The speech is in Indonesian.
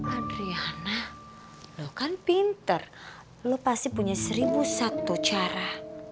adriana lo kan pinter lo pasti punya seribu satu cara